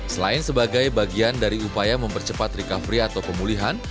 selain sebagai bagian dari upaya mempercepat recovery atau pemulihan